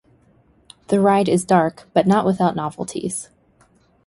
The ride is dark, but not without novelties.